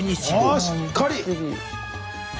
あしっかり！